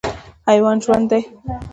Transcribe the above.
حیوان ژوند دی.